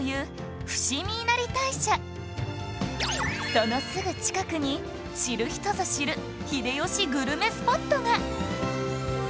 そのすぐ近くに知る人ぞ知る秀吉グルメスポットが